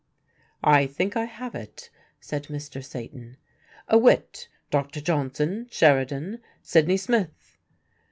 "I think I have it," said Mr. Satan, "a wit: Dr. Johnson, Sheridan, Sidney Smith?"